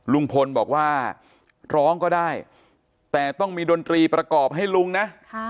ลุงพลบอกว่าร้องก็ได้แต่ต้องมีดนตรีประกอบให้ลุงนะ